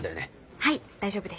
はい大丈夫です。